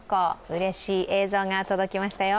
うれしい映像が届きましたよ。